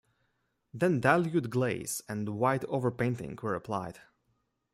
Then dilute glaze and white overpainting were applied.